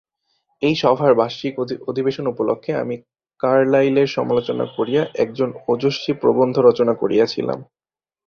এই সভার বার্ষিক অধিবেশন উপলক্ষ্যে আমি কার্লাইলের সমালোচনা করিয়া এক ওজস্বী প্রবন্ধ রচনা করিয়াছিলাম।